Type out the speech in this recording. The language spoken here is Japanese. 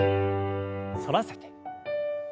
反らせて。